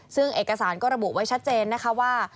ซึ่งเอกสารก็ระบุไว้ชัดเจนนะคะว่า